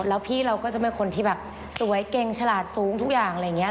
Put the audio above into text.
แล้วพี่เราก็จะเป็นคนที่แบบสวยเก่งฉลาดสูงทุกอย่างอะไรอย่างนี้